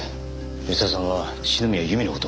海老沢さんは篠宮由美の事を。